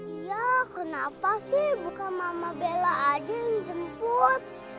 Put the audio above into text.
iya kenapa sih bukan mama bella aja yang jemput